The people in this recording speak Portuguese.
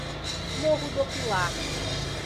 Morro do Pilar